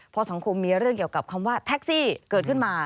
พอสังคมมีเรื่องเกี่ยวกับคำว่าแท็กซี่เกิดขึ้นมา